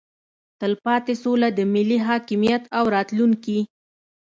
تلپاتې سوله د ملي حاکمیت او راتلونکي